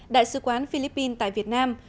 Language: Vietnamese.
đại sứ quán philippines tại việt nam